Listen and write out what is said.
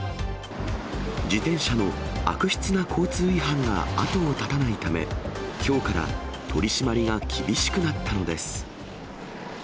自転車の悪質な交通違反が後を絶たないため、きょうから取締りが厳しくなったのです。